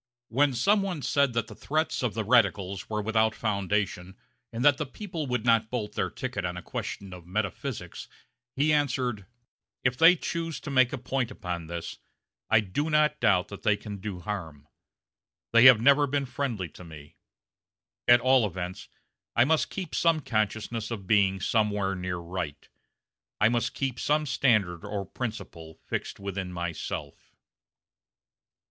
When some one said that the threats of the radicals were without foundation, and that the people would not bolt their ticket on a question of metaphysics, he answered: "If they choose to make a point upon this, I do not doubt that they can do harm. They have never been friendly to me. At all events, I must keep some consciousness of being somewhere near right. I must keep some standard or principle fixed within myself."